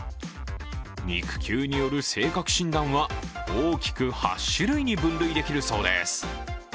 肉球による性格診断は大きく８種類に分類できるそうです。